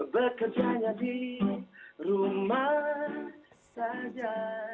bekerjanya di rumah saja